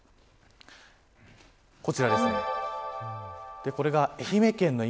こちらです。